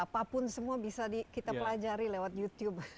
apapun semua bisa kita pelajari lewat youtube